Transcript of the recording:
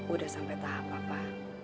udah sampe tahap apa